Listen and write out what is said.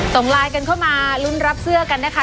ส่งไลน์กันเข้ามาลุ้นรับเสื้อกันนะคะ